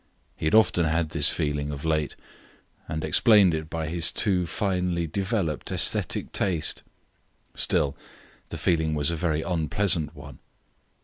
He had often had this feeling, of late, and explained it by his too finely developed aesthetic taste; still, the feeling was a very unpleasant one.